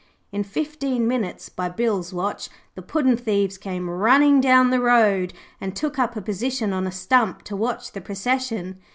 In fifteen minutes, by Bill's watch, the puddin' thieves came running down the road, and took up a position on a stump to watch the procession.